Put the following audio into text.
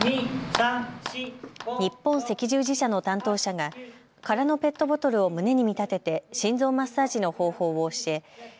日本赤十字社の担当者が空のペットボトルを胸に見立てて心臓マッサージの方法を教え